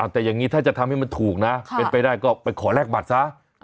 แต่อย่างนี้ถ้าจะทำให้มันถูกนะเป็นไปได้ก็ไปขอแลกบัตรซะ